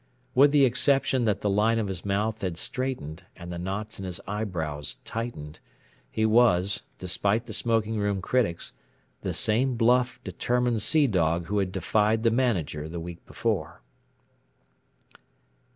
With the exception that the line of his mouth had straightened and the knots in his eyebrows tightened, he was, despite the smoking room critics, the same bluff, determined sea dog who had defied the Manager the week before.